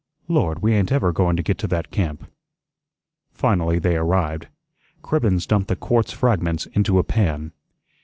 Lord, we ain't ever going to get to that camp." Finally they arrived. Cribbens dumped the quartz fragments into a pan.